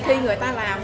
khi người ta làm